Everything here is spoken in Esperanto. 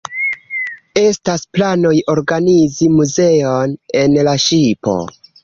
Estas planoj organizi muzeon en la ŝipo.